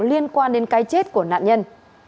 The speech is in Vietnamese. liên quan đến cái chết của nạn nhân